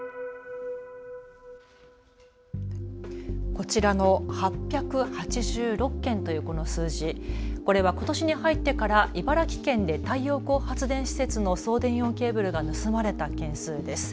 こちらの８８６件というこの数字、これはことしに入ってから茨城県で太陽光発電施設の送電用ケーブルが盗まれた件数です。